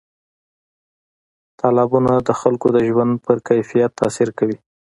تالابونه د خلکو د ژوند په کیفیت تاثیر کوي.